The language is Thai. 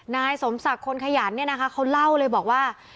นายสมศักดิ์คนขยันเนี่ยนะคะเขาเล่าเลยบอกว่า